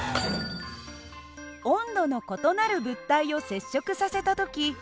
温度の異なる物体を接触させた時